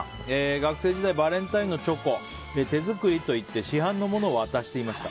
学生時代バレンタインのチョコを手作りと言って市販のものを渡していました。